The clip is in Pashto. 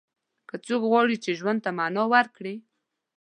که څوک غواړي چې ژوند ته معنا ورکړي.